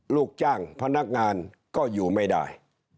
ลูกจ้างพนักงานก็อยู่ไม่ได้